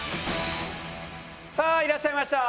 さあいらっしゃいました。